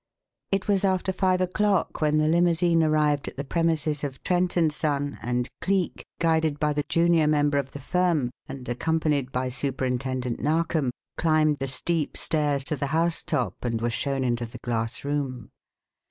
It was after five o'clock when the limousine arrived at the premises of Trent & Son, and Cleek, guided by the junior member of the firm and accompanied by Superintendent Narkom, climbed the steep stairs to the housetop and was shown into the glass room.